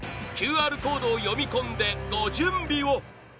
ＱＲコードを読み込んでご準備を！